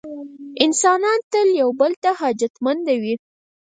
انسانان تل یو بل ته حاجتمنده وي.